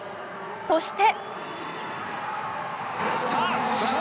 そして。